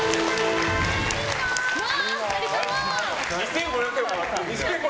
２５００円もらった。